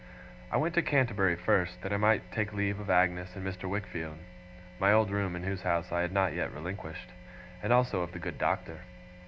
I went to Canterbury first, that I might take leave of Agnes and Mr. Wickfield (my old room in whose house I had not yet relinquished), and also of the good Doctor.